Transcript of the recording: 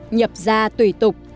nhập ra tùy tục